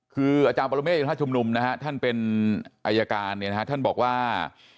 คืออาจารย์ปรเมฆอินทรชุมนุมนะฮะท่านเป็นอายการท่านบอกว่า